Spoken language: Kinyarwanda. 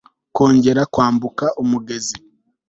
Kongera Kwambuka Umugezi